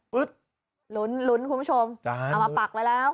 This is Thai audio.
ลุ้นลุ้นคุณผู้ชมเอามาปักไว้แล้ว